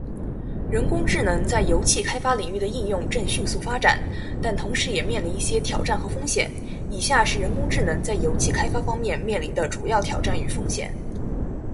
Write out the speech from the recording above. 人工智能在油气开发领域的应用正迅速发展，但同时也面临一些挑战和风险。以下是人工智能在油气开发方面面临的主要挑战与风险：